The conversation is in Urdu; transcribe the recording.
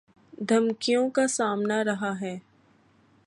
دھمکیوں کا سامنا رہا ہے